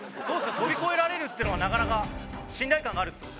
跳び越えられるっていうのはなかなか信頼感があるって事で？